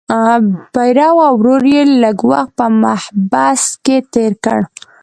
پیرو او ورور یې لږ وخت په محبس کې تیر کړ.